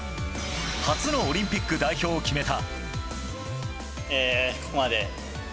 初のオリンピック代表を決めた。